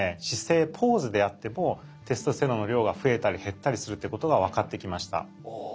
姿勢ポーズであってもテストステロンの量が増えたり減ったりするっていうことが分かってきました。